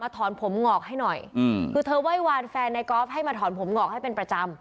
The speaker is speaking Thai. ถอนผมงอกให้หน่อยคือเธอไหว้วานแฟนในกอล์ฟให้มาถอนผมงอกให้เป็นประจำ